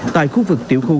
tại khu vực tiểu khu